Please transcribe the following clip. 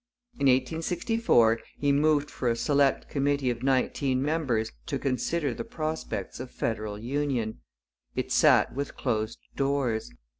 In 1864 he moved for a select committee of nineteen members to consider the prospects of federal union. It sat with closed doors.